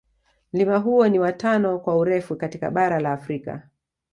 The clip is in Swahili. Mlima huo ni wa tano kwa urefu katika bara la Afrika